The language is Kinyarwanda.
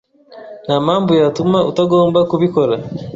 Nta mpamvu yatuma utagomba kubikora.